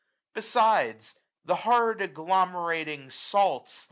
Besides, the hard agglomerating salts.